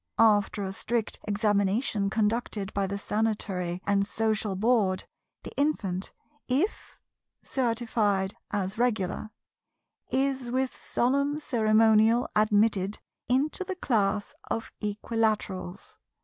After a strict examination conducted by the Sanitary and Social Board, the infant, if certified as Regular, is with solemn ceremonial admitted into the class of Equilaterals.